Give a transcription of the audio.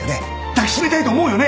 抱きしめたいと思うよね？